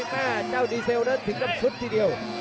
แม่เจ้าดีเซลนั้นถึงกับสุดทีเดียว